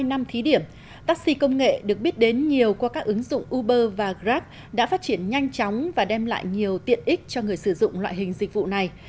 hai năm thí điểm taxi công nghệ được biết đến nhiều qua các ứng dụng uber và grab đã phát triển nhanh chóng và đem lại nhiều tiện ích cho người sử dụng loại hình dịch vụ này